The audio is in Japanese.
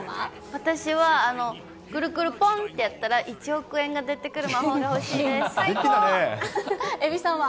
私は、くるくるぽんってやったら、１億円が出てくる魔法が欲しいでえびさんは？